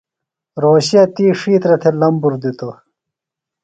روھوشے تی ڇِھیترہ تھےۡ لمبُر دِتوۡ۔